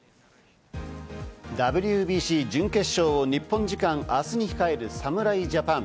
ＷＢＣ準決勝を日本時間、明日に控える侍ジャパン。